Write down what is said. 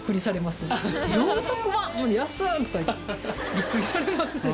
びっくりされますね。